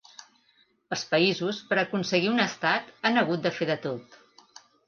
Els països per a aconseguir un estat han hagut de fer de tot.